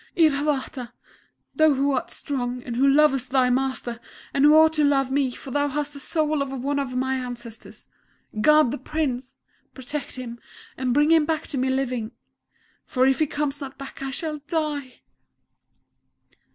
"Iravata, thou who art strong, and who lovest thy Master, and who ought to love me, for thou hast the soul of one of my Ancestors.... Guard the Prince! Protect him, and bring him back to me living for if he comes not back I shall die!"